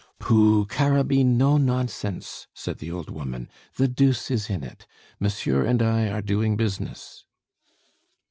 "Pooh! Carabine, no nonsense," said the old woman. "The deuce is in it! Monsieur and I are doing business."